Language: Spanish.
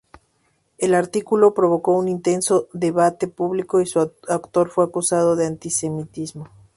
El artículo provocó un intenso debate público y su autor fue acusado de antisemitismo.